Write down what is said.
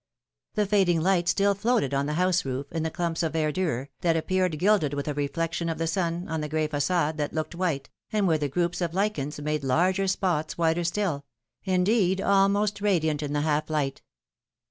The fading light still floated on the house roof, in the clumps of verdure, that appeared gilded with a reflection of the sun, on the gray fayade, that looked white, and where the groups of lichens made large spots whiter still — indeed, almost radiant in the half light.